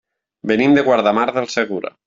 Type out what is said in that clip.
Venim de Guardamar del Segura.